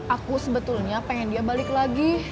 aku sebetulnya pengen dia balik lagi